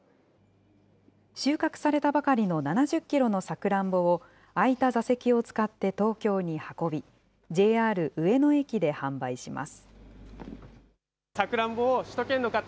収穫されたばかりの７０キロのさくらんぼを、空いた座席を使って東京に運び、ＪＲ上野駅で販売します。